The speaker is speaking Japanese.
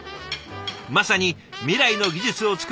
まさに未来の技術を作る現場メシ。